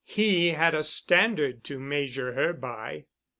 He had a standard to measure her by.